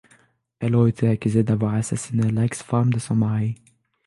Elle a été accusée d'avoir assassinée l'ex-femme de son mari.